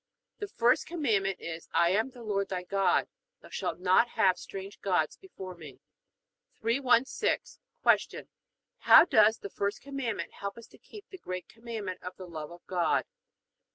The first Commandment is: I am the Lord thy God: thou shalt not have strange gods before Me. 316. Q. How does the first Commandment help us to keep the great Commandment of the love of God?